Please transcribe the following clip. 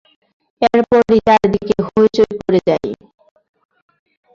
এরপরই চারদিকে হইচই পড়ে যায়।